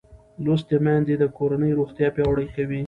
لوستې میندې د کورنۍ روغتیا پیاوړې کوي